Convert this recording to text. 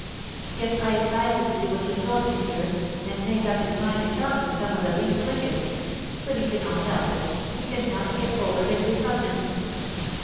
"Yet I advised him to do what you told me, sir, and make up his mind to talk to some of the least wicked! But he cannot help it, he cannot get over his repugnance."